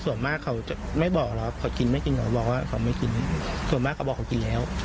ส่วนมากเขาจะไม่บอกหรอกครับเขากินไม่กินเขาบอกว่าเขาไม่กินส่วนมากเขาบอกเขากินแล้ว